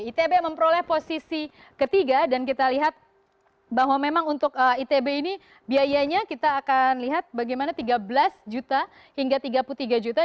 itb memperoleh posisi ketiga dan kita lihat bahwa memang untuk itb ini biayanya kita akan lihat bagaimana tiga belas juta hingga tiga puluh tiga juta